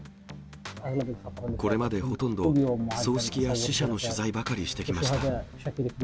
これまでほとんど葬式や死者の取材ばかりしてきました。